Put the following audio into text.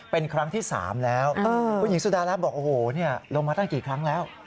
เป็นครั้งที่๓แล้วผู้หญิงสุดารัฐบอกโอ้โหลงมาตั้งกี่ครั้งแล้ว